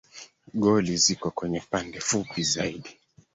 Goli ziko kwenye pande fupi zaidi